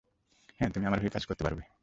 হ্যাঁ, তুমি আমার হয়ে কাজ করতে পারবে।